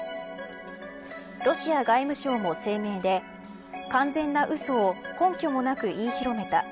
ロシア外務省も声明で完全なうそを根拠もなく言い広めた。